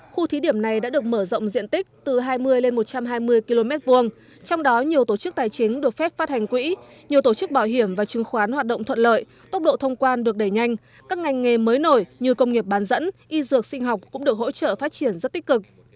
khu thí điểm này đã được mở rộng diện tích từ hai mươi lên một trăm hai mươi km hai trong đó nhiều tổ chức tài chính được phép phát hành quỹ nhiều tổ chức bảo hiểm và chứng khoán hoạt động thuận lợi tốc độ thông quan được đẩy nhanh các ngành nghề mới nổi như công nghiệp bán dẫn y dược sinh học cũng được hỗ trợ phát triển rất tích cực